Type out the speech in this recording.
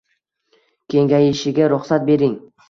Kengayishiga ruxsat bering